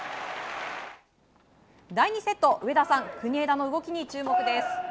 第２セット、上田さん国枝の動きに注目です。